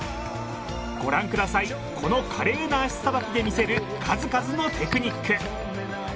ご覧ください、この華麗な足さばきで見せる数々のテクニック。